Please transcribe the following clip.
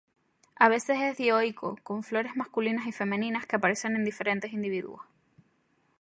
A veces es dioico, con flores masculinas y femeninas que aparecen en diferentes individuos.